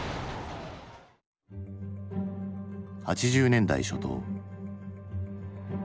８０年代初頭。